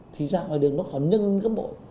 thì ra ngoài đường nó còn nhân cấp bộ